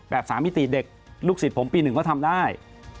แบบสามิติเด็กลูกศิษย์ผมปี๑ก็ทำได้